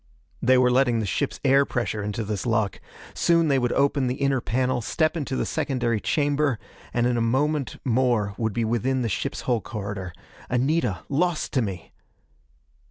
They were letting the ship's air pressure into this lock. Soon they would open the inner panel, step into the secondary chamber and in a moment more would be within the ship's hull corridor. Anita, lost to me!